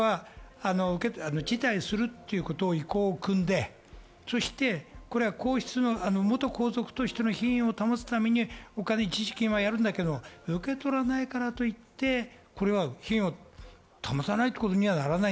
辞退するという意向を汲んで元皇族としての品位を保つためにお金、一時期はやるんだけれど、受け取らないからといって品位を保たないということにはならない。